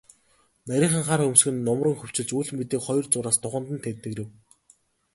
Нарийхан хар хөмсөг нь нумран хөвчилж, үл мэдэг хоёр зураас духанд нь тэмдгэрэв.